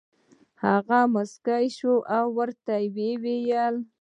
هغه موسکی شو او ورته یې وویل: